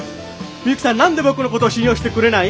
ミユキさん何で僕のこと信用してくれない？